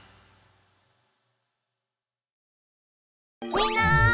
みんな！